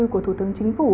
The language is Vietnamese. của thủ tướng chính phủ